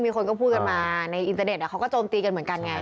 มีคนก็พูดกันมาในอินเตอร์เน็ตเขาก็โจมตีกันเหมือนกันไง